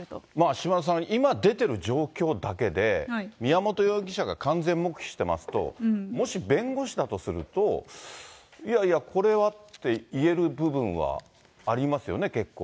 島田さん、今出ている状況だけで、宮本容疑者が完全黙秘してますと、もし弁護士だとすると、いやいやこれはっていえる部分はありますよね、結構。